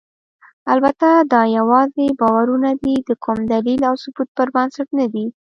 البته دا یواځې باورونه دي، د کوم دلیل او ثبوت پر بنسټ نه دي.